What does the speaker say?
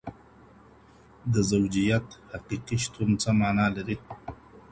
د زوجیت حقيقي شتون څه مانا لري؟